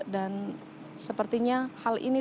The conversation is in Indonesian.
dan sepertinya hal ini